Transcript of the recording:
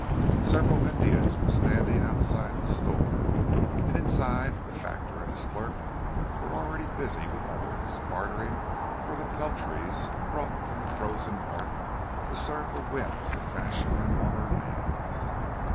Several Indians were standing outside the store, and inside the factor and his clerk were already busy with others; bartering for the peltries brought from the frozen north to serve the whims of fashion in warmer lands.